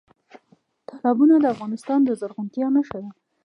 تالابونه د افغانستان د زرغونتیا نښه ده.